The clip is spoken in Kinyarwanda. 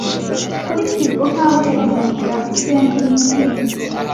kuri pivot nkaho yari munzira. Ken yinginze